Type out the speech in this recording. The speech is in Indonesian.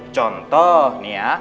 contoh nih ya